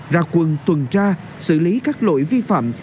ra quân tuần tra xử lý các lỗi vi phạm